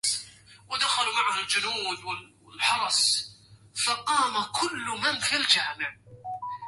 قد قلت للعذال عند تتبعي